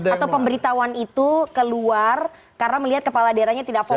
atau pemberitahuan itu keluar karena melihat kepala daerahnya tidak fokus